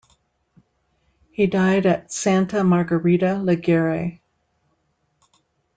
He died at Santa Margherita Ligure.